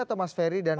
atau mas ferry dan